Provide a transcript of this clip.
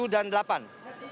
enam tujuh dan delapan desember